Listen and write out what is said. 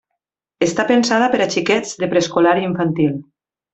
Està pensada per a xiquets de preescolar i infantil.